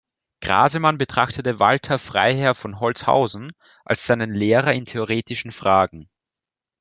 Grasemann betrachtete Walther Freiherr von Holzhausen als seinen Lehrer in theoretischen Fragen.